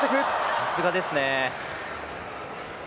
さすがですね。